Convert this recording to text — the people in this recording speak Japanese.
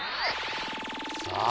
さあ。